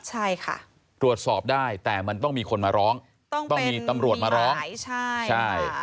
ใช่ค่ะตรวจสอบได้แต่มันต้องมีคนมาร้องต้องมีตำรวจมาร้องใช่